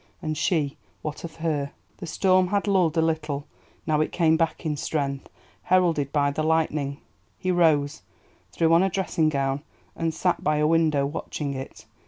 And she, what of her? The storm had lulled a little, now it came back in strength, heralded by the lightning. He rose, threw on a dressing gown, and sat by a window watching it.